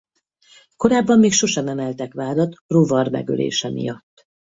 Korábban még sosem emeltek vádat rovar megölése miatt.